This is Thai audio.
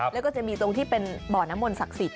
แล้วก็จะมีตรงที่เป็นบ่อน้ำมนศักดิ์สิทธิ